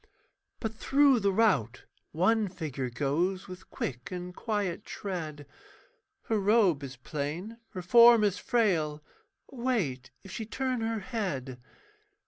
But through the rout one figure goes With quick and quiet tread; Her robe is plain, her form is frail Wait if she turn her head.